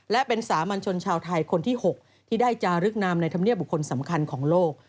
และเป็นสามัญชนชาวไทยคนที่๖ที่ได้จารึกนามในธรรมเนียบบุคคลสำคัญของโลก